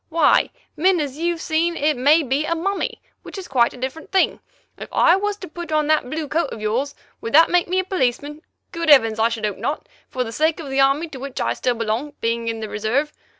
Why, men, as you've seen, it may be a mummy, which is quite a different thing. If I was to put on that blue coat of yours, would that make me a policeman? Good heavens! I should hope not, for the sake of the Army to which I still belong, being in the Reserve.